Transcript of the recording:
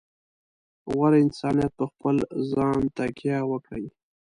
غوره انسانیت په خپل ځان تکیه وکړي.